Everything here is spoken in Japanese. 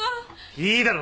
いいだろ！